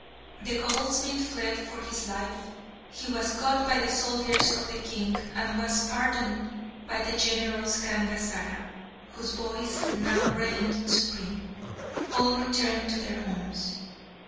The goldsmith fled for his life. He was caught by the soldiers of the king, and was pardoned by the generous Gangazara, whose voice now reigned supreme. All returned to their homes.